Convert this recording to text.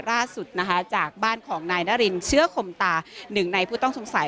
ล่าสุดนะคะจากบ้านของนายนารินเชื้อคมตาหนึ่งในผู้ต้องสงสัย